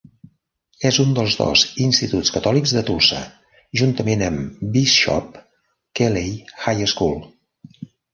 És un dels dos instituts catòlics de Tulsa, junt amb Bishop Kelley High School.